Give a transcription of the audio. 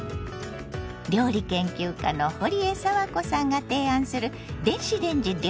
料理研究家のほりえさわこさんが提案する電子レンジ料理。